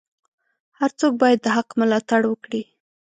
هر څوک باید د حق ملاتړ وکړي.